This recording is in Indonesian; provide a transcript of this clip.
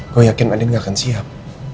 gue yakin andin akan siap